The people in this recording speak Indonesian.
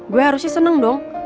gue harusnya seneng dong